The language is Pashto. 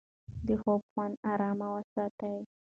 د خوب خونه ارامه وساتئ.